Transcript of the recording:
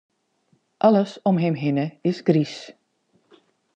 Alles om him hinne is griis.